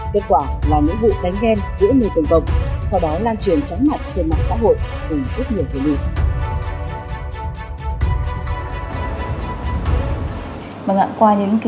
kết quả là những vụ đánh ghen giữa người cường vọng sau đó lan truyền trắng mặt trên mạng xã hội cùng rất nhiều người người